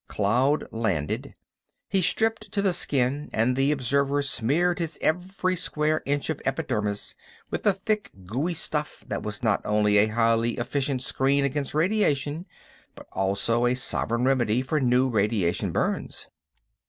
Cloud landed. He stripped to the skin and the observer smeared his every square inch of epidermis with the thick, gooey stuff that was not only a highly efficient screen against radiation, but also a sovereign remedy for new radiation burns.